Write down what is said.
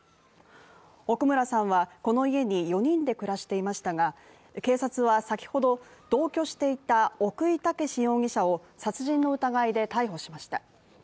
奥村さんはこの家に４人で暮らしていましたが警察は先ほど同居していた奥井剛容疑者を殺人の疑いで逮捕しました。